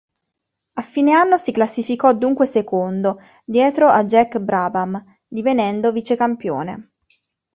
A fine anno si classificò dunque secondo, dietro a Jack Brabham, divenendo vicecampione.